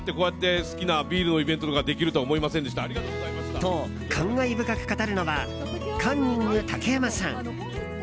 と、感慨深く語るのはカンニング竹山さん。